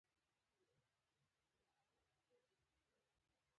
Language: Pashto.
که مینې ته ناروغي ووایو د دردونو ګالل یې درملنه ده.